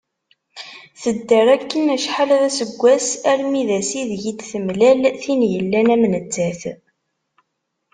Tedder akken acḥal d aseggas armi d ass i deg-i d-temlal tin yellan am nettat.